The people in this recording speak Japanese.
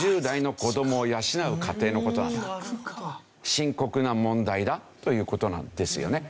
深刻な問題だという事なんですよね。